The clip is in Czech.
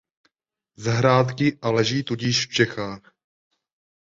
Zahrádky a leží tudíž v Čechách.